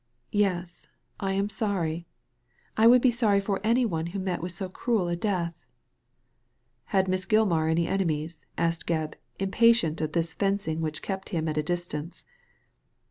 Yes, I am sorry. I would be sorry for any one who met with so cruel a death." " Had Miss Gilmar any enemies ?" asked Gebb, impatient of this fencing which kept him at a distance.